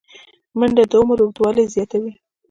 منډه د عمر اوږدوالی زیاتوي